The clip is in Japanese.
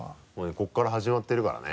ここから始まってるからね。